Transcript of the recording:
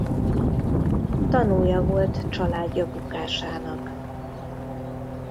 Tanúja volt családja bukásának.